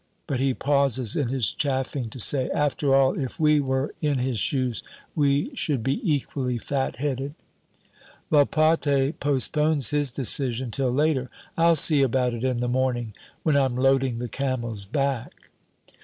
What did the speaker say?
But he pauses in his chaffing to say, "After all, if we were in his shoes we should be equally fatheaded." Volpatte postpones his decision till later. "I'll see about it in the morning, when I'm loading the camel's back."